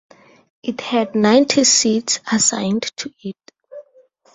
It had ninety seats assigned to it.